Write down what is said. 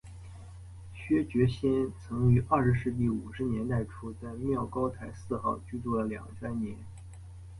薛觉先曾于二十世纪五十年代初在妙高台四号居住了两三年。